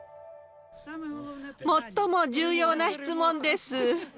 最も重要な質問です。